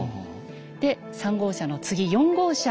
で３号車の次４号車。